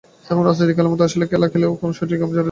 এবং রাজনীতির খেলার মতো আসল খেলা খেলেও শরীরে ঘাম ঝরাতে হবে।